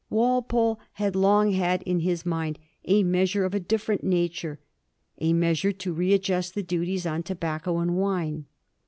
Walpole had long had in his mind a measure of a different nature, a measure to readjust the duties on tobacco and wine.